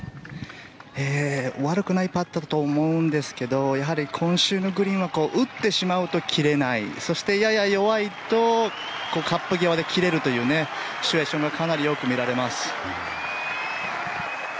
悪くないパットだと思うんですがやはり、今週のグリーンは打ってしまうと切れないそして、やや弱いとカップ際で切れるというシチュエーションがかなり多く見られます。